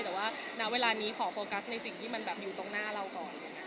แต่ว่าณเวลานี้ขอโฟกัสในสิ่งที่มันแบบอยู่ตรงหน้าเราก่อน